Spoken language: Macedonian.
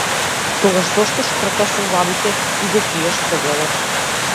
Тогаш зошто шкрташ со забите и го криеш погледот?